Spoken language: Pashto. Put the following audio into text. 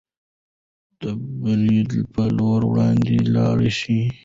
د بریا په لور وړاندې لاړ شئ.